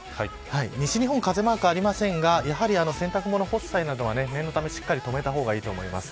西日本、風マークがありませんがやはり洗濯物を干す際は念のためしっかり留めといた方がいいと思います。